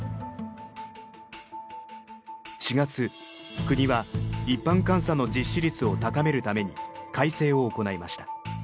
４月国は一般監査の実施率を高めるために改正を行いました。